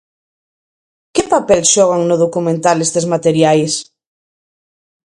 Que papel xogan no documental estes materiais?